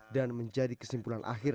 dan menjadi kesimpulan akhir